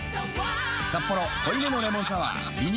「サッポロ濃いめのレモンサワー」リニューアル